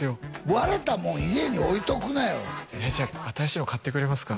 割れたもん家に置いとくなよじゃ新しいの買ってくれますか？